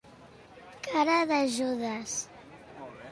Cara de Judes.